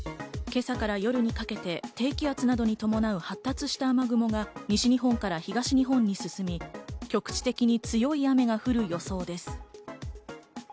今朝から夜にかけて低気圧などに伴う発達した雨雲が西日本から東日本に進み、局地的に強い雨が降る予想です。